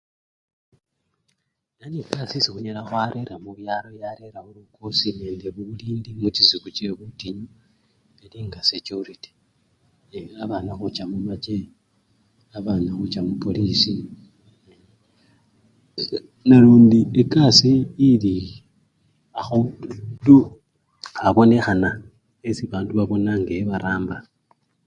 Yni ekasii esi khunyala khwarera khusyalo yarera lukosi nende bulindi muchisiku che butinyu, elinga sechurity, e! babana khucha mumache, babana khucha mupolisi nalundi ekasii ili akhundu abonekhana esi bandu babona nga khebaramba.